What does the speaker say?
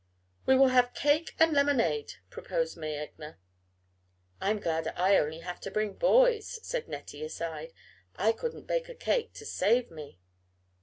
"We will have cake and lemonade," proposed May Egner. "I'm glad I only have to bring boys," said Nettie aside, "I couldn't bake a cake to save me."